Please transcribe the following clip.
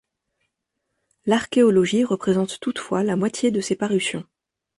L’archéologie représente toutefois la moitié de ses parutions.